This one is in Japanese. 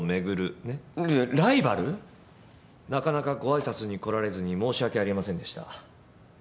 なかなかご挨拶に来られずに申し訳ありませんでした。